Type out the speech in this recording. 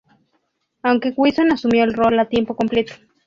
Aunque Wilson asumió el rol a tiempo completo.